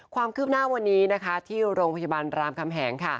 ความคืบหน้าวันนี้ที่โรงพยาบาลรามคำแหง